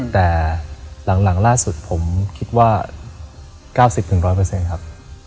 แต่หลังล่าสุดผมคิดว่า๙๐๑๐๐ครับ